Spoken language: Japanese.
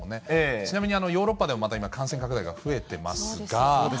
ちなみに、ヨーロッパではまた今、感染拡大が増えてますが。